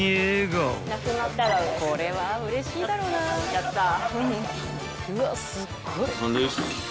やったー。